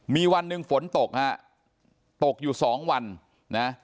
มีวันหนึ่งฝนตกฮะตกอยู่สองวันนะ